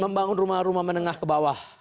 membangun rumah rumah menengah ke bawah